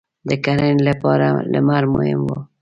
• د کرنې لپاره لمر مهم و.